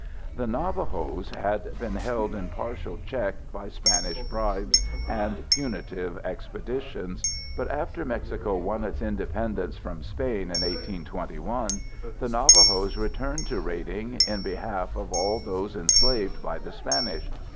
] The Navajos had been held in partial check by Spanish bribes and punitive expeditions, but after Mexico won its independence from Spain in 1821, the Navajos returned to raiding in behalf of all those enslaved by the Spanish.